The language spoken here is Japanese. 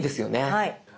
はい。